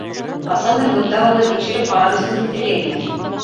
Ҡасандыр бында уны тикшереп ҡарар өсөн килтергәйнеләр...